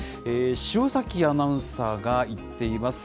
塩崎アナウンサーが行っています。